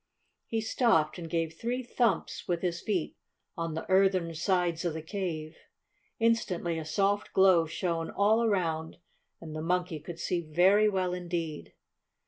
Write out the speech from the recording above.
He stopped and gave three thumps with, his feet on the earthen sides of the cave. Instantly a soft glow shone all around, and the Monkey could see very well indeed.